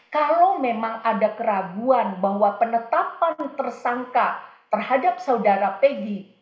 kalau memang ada keraguan bahwa penetapan tersangka terhadap saudara pegi